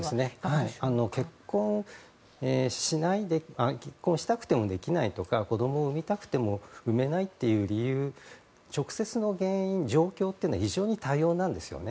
結婚したくてもできないとか子供を産みたくても産めないという直接の原因、状況というのは非常に多様なんですよね。